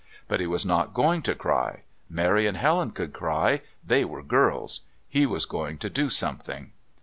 But he was not going to cry. Mary and Helen could cry they were girls; he was going to do something.